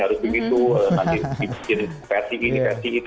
harus begitu nanti dibikin versi ini versi itu